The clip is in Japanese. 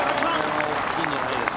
これは大きいんじゃないですか。